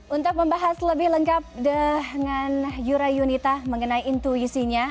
untuk membahas lebih lengkap dengan yura yunita mengenai intuisinya